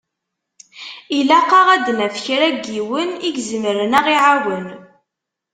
Ilaq-aɣ ad d-naf kra n yiwen i izemren ad ɣ-iɛawen.